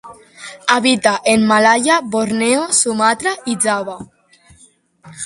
Habita en Malaya, Borneo, Sumatra y Java.